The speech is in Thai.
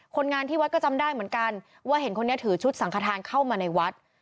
คนงานที่วัดก็จำได้เหมือนกันว่าเห็นคนนี้ถือชุดสังขทานเข้ามาในวัด